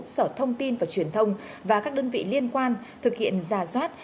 sở thông tin và truyền thông và các đơn vị liên quan thực hiện giả soát